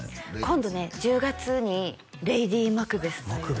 今度ね１０月に「レイディマクベス」という